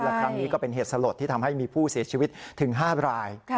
และครั้งนี้ก็เป็นเหตุสลดที่ทำให้มีผู้เสียชีวิตถึง๕ราย